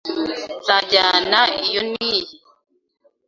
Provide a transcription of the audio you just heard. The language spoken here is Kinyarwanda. Nzajyana iyo n'iyi.